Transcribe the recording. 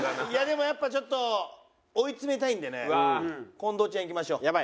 いやでもやっぱちょっと追い詰めたいんでね近藤ちゃんいきましょう。